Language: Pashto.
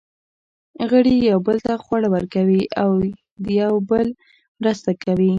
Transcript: غړي یوه بل ته خواړه ورکوي او د یوه بل مرسته کوي.